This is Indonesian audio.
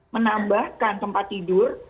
menambahkan tempat tidur